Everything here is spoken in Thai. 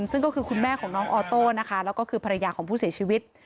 ซึ่งก็คือคุณแม่ของน้องออโต้นะคะแล้วก็คือภรรยาของผู้เสียชีวิต